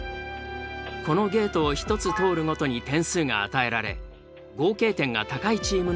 このゲートを１つ通るごとに点数が与えられ合計点が高いチームの勝利。